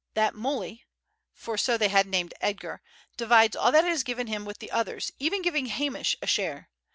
That Muley," for so they had named Edgar, "divides all that is given him with the others, even giving Hamish a share.